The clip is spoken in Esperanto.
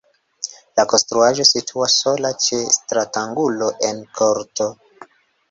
La konstruaĵo situas sola ĉe stratangulo en korto.